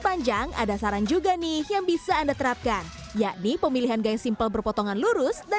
panjang ada saran juga nih yang bisa anda terapkan yakni pemilihan gaya simpel berpotongan lurus dan